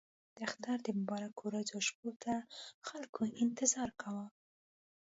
د اختر د مبارکو ورځو او شپو ته خلکو انتظار کاوه.